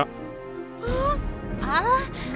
ฮึ้อ